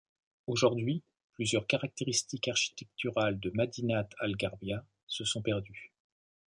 Aujourd'hui, plusieurs caractéristiques architecturales de Madinat Al Gharbia se sont perdues.